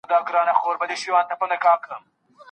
کليوال وویل چي د ډنډ ترڅنګ د ږدن او مڼې ځای ړنګیږي.